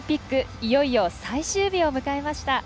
いよいよ最終日を迎えました。